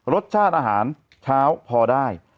รสชาติอาหารเช้าพอได้